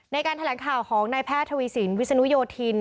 ในการแถลงข่าวของนายแพทย์ทวีสินวิศนุโยธิน